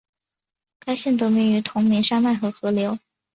该县得名于同名山脉和河流。